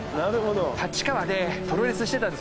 立川でプロレスしてたんです